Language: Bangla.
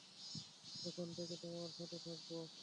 এখন থেকে তোমার সাথে থাকবো।